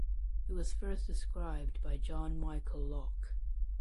It was first described by John Michael Lock.